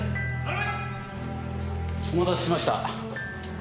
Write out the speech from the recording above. お待たせしました。